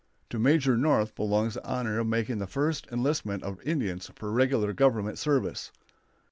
To Major North belongs the honor of making the first enlistment of Indians for regular Government service.